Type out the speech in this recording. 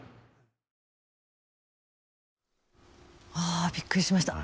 あびっくりしました。